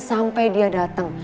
sampai dia dateng